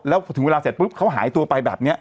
แล้วถึงเวลาเสร็จปุ๊บเขาหายตัวไปแบบนี้